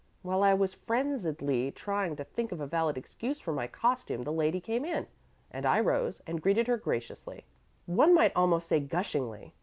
While I was frenziedly trying to think of a valid excuse for my costume the lady came in, and I rose and greeted her graciously, one might almost say gushingly.